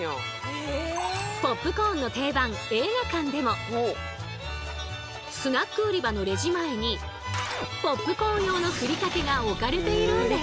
ポップコーンの定番映画館でもスナック売り場のレジ前にポップコーン用のふりかけが置かれているんです。